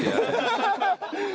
アハハハ！